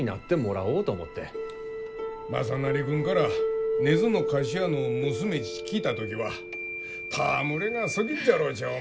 雅修君から根津の菓子屋の娘ち聞いた時は戯れがすぎっじゃろうち思ったが。